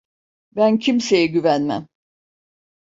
Ben kimseye güvenmem.